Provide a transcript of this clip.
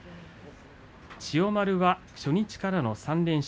千代丸は初日からの３連勝。